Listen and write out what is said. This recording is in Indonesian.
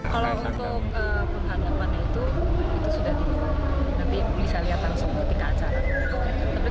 kalau untuk perhatian mana itu itu sudah diperhatikan